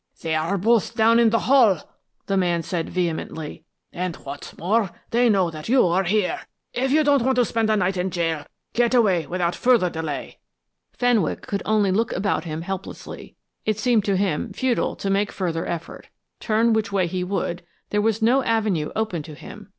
"They are both down in the hall," the man said, vehemently. "And, what's more, they know that you are here. If you don't want to spend the night in gaol, get away without any further delay." Fenwick could only look about him helplessly. It seemed to him futile to make further effort. Turn which way he would, there was no avenue open to him.